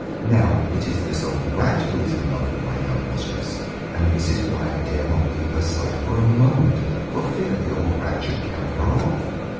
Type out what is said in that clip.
Now it is this old rat who is in love with my young mistress, and this is why I dare not leave her side for a moment, for fear the old rat should carry her off.